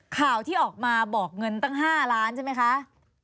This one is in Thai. ข่าวที่ออกมาบอกเงินตั้ง๕ล้านใช่ไหมคะ